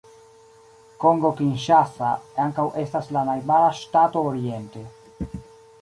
Kongo Kinŝasa ankaŭ estas la najbara ŝtato oriente.